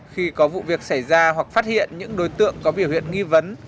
khi có vụ việc xảy ra hoặc phát hiện những đối tượng có biểu hiện nghi vấn